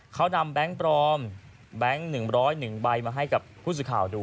เขานำแบงค์ปลอมแบงค์๑๐๑ใบมาให้กับผู้สื่อข่าวดู